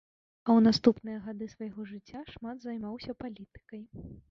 У наступныя гады свайго жыцця шмат займаўся палітыкай.